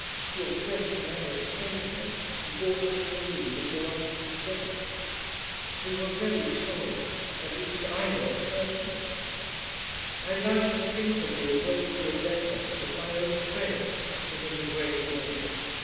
Your friend from Ennis came here, and brought us the news of your uncle's death. We were very sorry; at least I was certainly. I liked to think of you a great deal better as my own Fred, than as a great lord.